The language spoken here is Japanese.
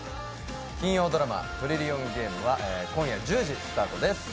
金曜ドラマ「トリリオンゲーム」は今夜１０時スタートです。